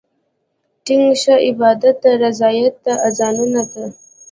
ټينګ شه عبادت ته، رياضت ته، اذانونو ته